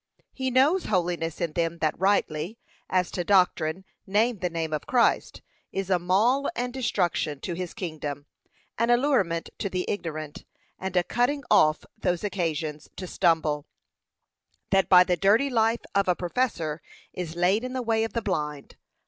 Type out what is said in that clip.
He knows holiness in them that rightly, as to doctrine, name the name of Christ, is a maul and destruction to his kingdom, an allurement to the ignorant, and a cutting off those occasions to stumble, that by the dirty life of a professor is laid in the way of the blind.